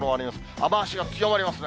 雨足が強まりますね。